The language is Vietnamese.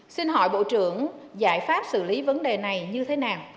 xin hỏi bộ trưởng giải pháp xử lý vấn đề này như thế nào